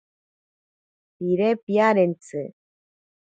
Pire piarentsi.